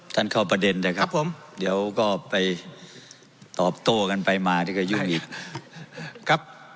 ท่านเข้าประเด็นเถอะครับผมเดี๋ยวก็ไปตอบโต้กันไปมานี่ก็ยุ่งอีกครับ